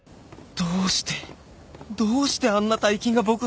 どうしてどうしてあんな大金が僕の家に？